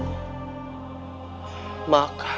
jika tidak ada kebenaran